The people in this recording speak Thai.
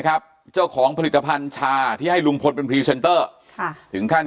ครับเจ้าของผลิตภัณฑ์ชาที่ให้ลุงพลเป็นพรีเซนเตอร์ค่ะถึงขั้น